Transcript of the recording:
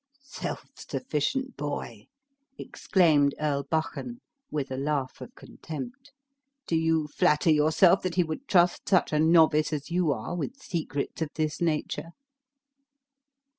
"Self sufficient boy!" exclaimed Earl Buchan, with a laugh of contempt; "do you flatter yourself that he would trust such a novice as you are with secrets of this nature?"